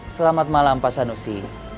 selamat malam pak sanusi